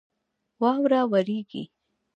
واوره ورېږي